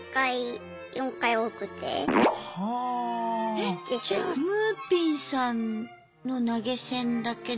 えっじゃあむーぴんさんの投げ銭だけでも。